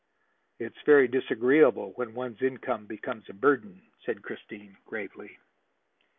"It is very disagreeable when one's income becomes a burden," said Christine gravely.